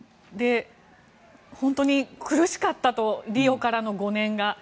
本当に苦しかったとリオからの５年が。